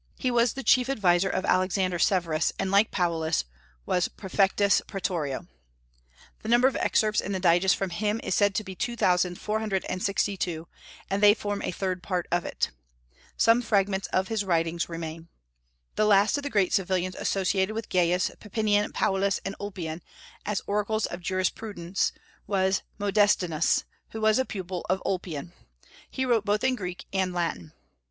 He was the chief adviser of Alexander Severus, and like Paulus was praefectus praetorio. The number of excerpts in the Digest from him is said to be two thousand four hundred and sixty two, and they form a third part of it. Some fragments of his writings remain. The last of the great civilians associated with Gaius, Papinian, Paulus, and Ulpian, as oracles of jurisprudence, was Modestinus, who was a pupil of Ulpian. He wrote both in Greek and Latin.